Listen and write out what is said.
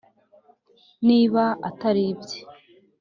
niba atari ibye